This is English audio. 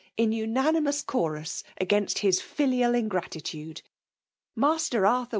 vfi unanimous, chorus, agaiiKst h^ 'fiUal ingtatitudol Master Arthur